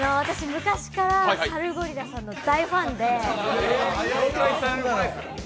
昔からサルゴリラの大ファン？